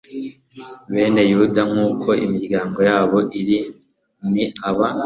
bene yuda nk uko imiryango yabo iri ni aba